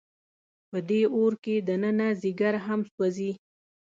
په دې اور کې دننه ځیګر هم سوځي.